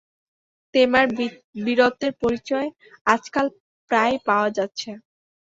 তেমার বীরত্বের পরিচয় আজকাল প্রায়ই পাওয়া যাচ্ছে।